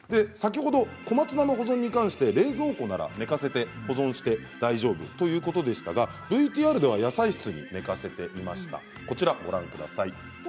先ほど小松菜の保存に関して冷蔵庫なら寝かせて保存して大丈夫ということでしたがＶＴＲでは野菜室に寝かせていました。